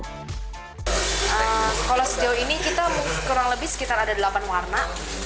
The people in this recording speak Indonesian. kalau sejauh ini kita kurang lebih sekitar ada delapan warna